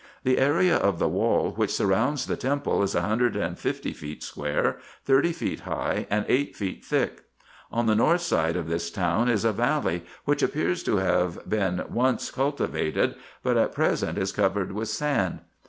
The area of the wall which surrounds the temple is 150 feet square, thirty feet high, and eight feet thick. On the north side of this town is a valley, which appears to have been once cultivated, but at present is covered with sand.